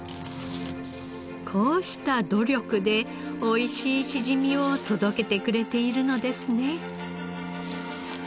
こうした努力で美味しいしじみを届けてくれているのですね。